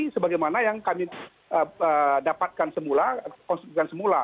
sebagaimana yang kami dapatkan semula konstituen semula